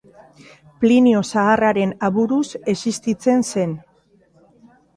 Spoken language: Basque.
Plinio Zaharraren aburuz, existitzen zen.